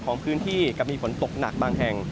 ของพื้นที่กับมีฝนตกหนักบางแห่ง